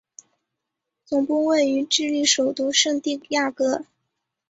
总部位于智利首都圣地亚哥。